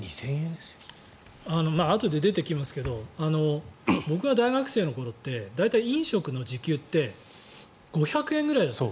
あとで出てきますけど僕が大学生の頃って大体、飲食の時給って５００円くらいだった。